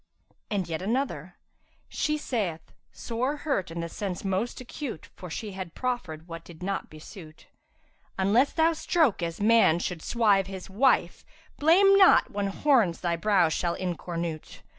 And yet another, 'She saith (sore hurt in sense the most acute * For she had proffered what did not besuit), 'Unless thou stroke as man should swive his wife * Blame not when horns thy brow shall incornůte!